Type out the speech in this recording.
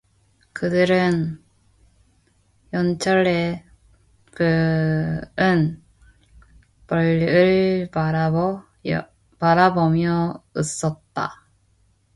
그들은 영철의 부은 볼을 바라보며 웃었다.